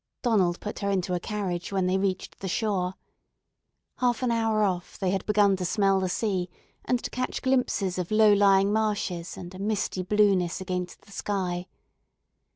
Donald put her into a carriage when they reached the shore. Half an hour off they had begun to smell the sea, and to catch glimpses of low lying marshes and a misty blueness against the sky.